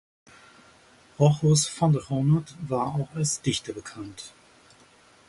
Rochus van den Honert war auch als Dichter bekannt.